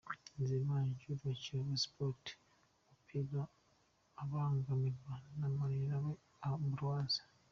Nizeyimana Djuma wa Kiyovu Sports ku mupira abangamiwe na Manirareba Ambroise .